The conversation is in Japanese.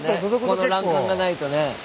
この欄干がないとね。